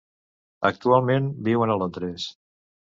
Actualment viuen a Londres.